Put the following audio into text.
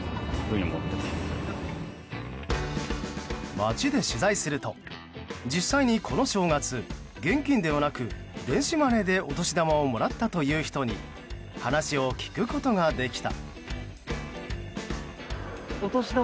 街で取材すると実際にこの正月現金ではなく電子マネーでお年玉をもらったという人に話を聞くことができた。